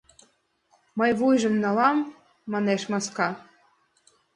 — Мый вуйжым налам, — манеш маска.